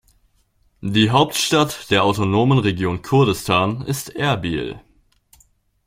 Die Hauptstadt der autonomen Region Kurdistan ist Erbil.